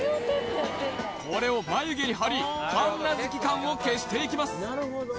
これを眉毛に貼り神奈月感を消していきます